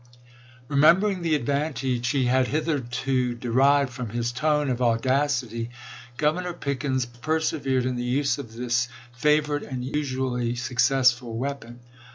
Remembering the advantage he had hitherto de rived from his tone of audacity, Governor Pickens persevered in the use of this favorite and usually successful weapon.